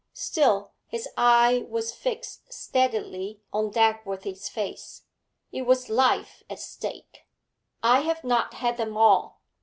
Still, his eye was fixed steadily on Dagworthy's face; it was life at stake. 'I have not had them all.'